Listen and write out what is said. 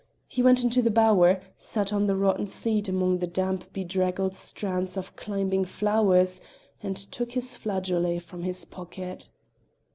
He went into the bower, sat on the rotten seat among the damp bedraggled strands of climbing flowers, and took his flageolet from his pocket.